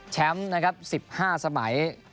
แชมป์๑๕สมัย